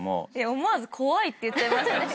思わず怖いって言っちゃいましたもん。